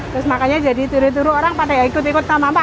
terus makanya jadi turut turut orang pada ikut ikut sama apa